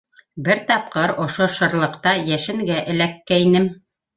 Бер тапҡыр ошо шырлыҡта йәшенгә эләккәйнем.